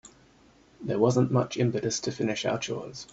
There wasn't much impetus to finish our chores.